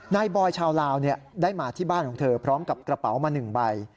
บอยชาวลาวได้มาที่บ้านของเธอพร้อมกับกระเป๋ามา๑ใบ